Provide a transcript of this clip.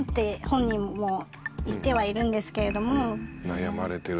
悩まれてる。